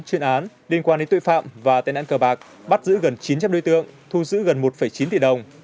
chuyên án liên quan đến tội phạm và tên ăn cờ bạc bắt giữ gần chín trăm linh đối tượng thu giữ gần một chín tỷ đồng